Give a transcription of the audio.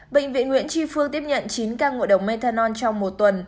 bệnh viện nguyễn tri phương tiếp nhận chín ca ngộ độc methanol trong một tuần